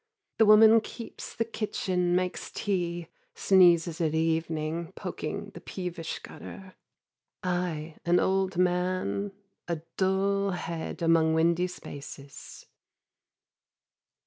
The woman keeps the kitchen, makes tea, Sneezes at evening, poking the peevish gutter. I an old man, A dull head among windy spaces.